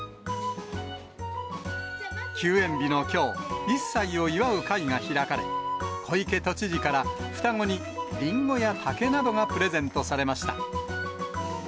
休園日のきょう、１歳を祝う会が開かれ、小池都知事から、双子にリンゴや竹などがプレゼントされました。